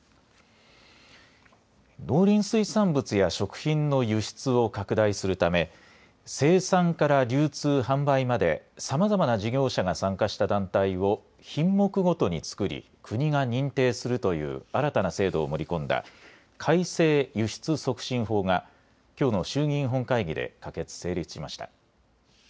農林水産物や食品の輸出を拡大するため、生産から流通、販売まで、さまざまな事業者が参加した団体を品目ごとに作り、国が認定するという新たな制度を盛り込んだ、改正輸出促進法が、きょうの衆議院本会議で可決・成立しました。